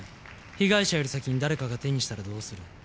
被害者より先に誰かが手にしたらどうする？